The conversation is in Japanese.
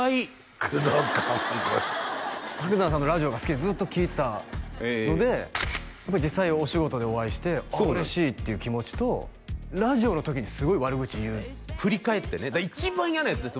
クドカン伯山さんのラジオが好きでずっと聴いてたので実際お仕事でお会いして嬉しいっていう気持ちとラジオの時にすごい悪口言う振り返ってね一番嫌なヤツです